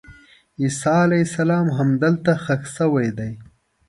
عیسی علیه السلام همدلته ښخ شوی دی.